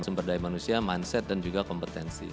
sumber daya manusia mindset dan juga kompetensi